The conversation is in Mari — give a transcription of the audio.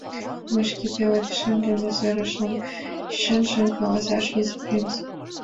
— Мый шке пеледышем дене сырышым, — чынжым каласыш Изи принц.